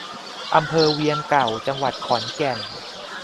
อำเภอเวียงเก่า จังหวัดขอนแก่น